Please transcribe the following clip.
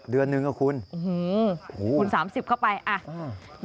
เดือนหนึ่งก็คุณโอ้โฮคุณ๓๐เข้าไปอ่ะโอ้โฮ